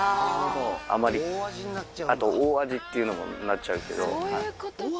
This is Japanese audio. あんまりあと大味っていうのもなっちゃうけど。